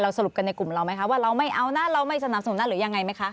สรุปกันในกลุ่มเราไหมคะว่าเราไม่เอานะเราไม่สนับสนุนนะหรือยังไงไหมคะ